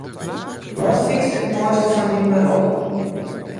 Wat fynst it moaiste fan dyn berop?